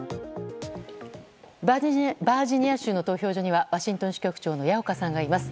バージニア州の投票所にはワシントン支局長の矢岡さんがいます。